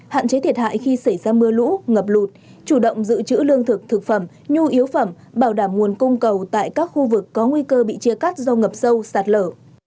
hạn chế thiệt hại khi xảy ra mưa lũ ngập lụt chủ động giữ chữ lương thực thực phẩm nhu yếu phẩm bảo đảm nguồn cung cầu tại các khu vực có nguy cơ bị chia cắt do ngập sâu sạt lở